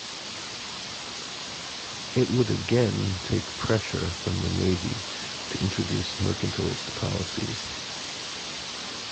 It would again take pressure from the navy to introduce mercantilist policies.